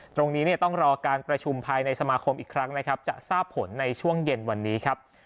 ตรงนี้เนี่ยต้องรอการประชุมภายในสมาคมอีกครั้งนะครับจะทราบผลในช่วงเย็นวันนี้ครับ